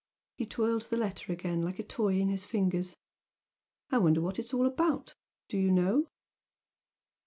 He twirled the letter again like a toy in his fingers. "I wonder what it's all about? Do you know?"